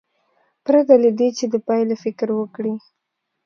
پرته له دې چې د پایلو فکر وکړي.